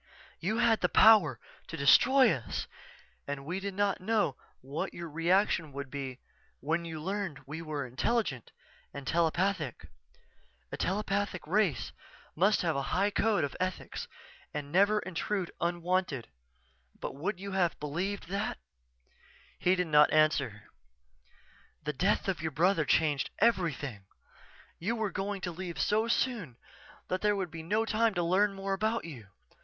You had the power to destroy us and we did not know what your reaction would be when you learned we were intelligent and telepathic. A telepathic race must have a high code of ethics and never intrude unwanted but would you have believed that?_" He did not answer. "_The death of your brother changed everything. You were going to leave so soon that there would be no time to learn more about you.